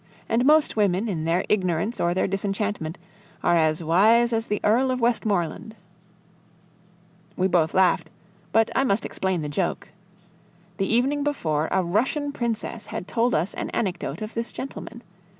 And most women, in their ignorance or their disenchantment, are as wise as the Earl of Westmoreland!" We both laughed; but I must explain the joke. The evening before, a Russian princess had told us an anecdote of this gentleman.